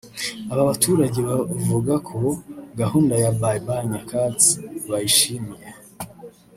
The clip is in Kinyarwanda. Aba baturage bavuga ko gahunda ya “Bye Bye Nyakatsi bayishimiye